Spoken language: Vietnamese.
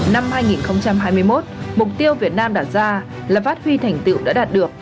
năm hai nghìn hai mươi một mục tiêu việt nam đặt ra là phát huy thành tựu đã đạt được